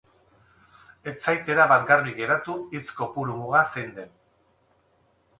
Ez zait erabat garbi geratu hitz kopuru muga zein den.